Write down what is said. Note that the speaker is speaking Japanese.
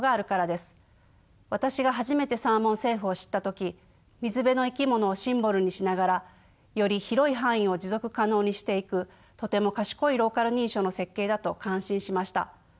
私が初めてサーモン・セーフを知った時水辺の生き物をシンボルにしながらより広い範囲を持続可能にしていくとても賢いローカル認証の設計だと感心しました。